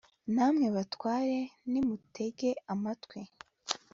namwe batware, nimutege amatwi